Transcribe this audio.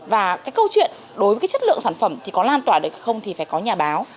và cái câu chuyện đối với cái chất lượng sản phẩm thì có lan tỏa được không thì phải có nhà báo